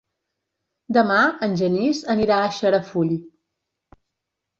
Demà en Genís anirà a Xarafull.